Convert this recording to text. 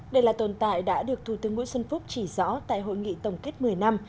đây là tồn tại đã được thủ tướng nguyễn xuân phúc chỉ rõ tại hội nghị tổng kết một mươi năm